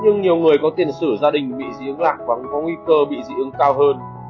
nhưng nhiều người có tiền sử gia đình bị dị ứng lạc vẫn có nguy cơ bị dị ứng cao hơn